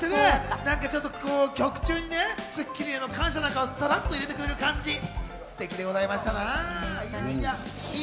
曲中に『スッキリ』への感謝なんかをさらっと入れてくれる感じ、ステキでございました。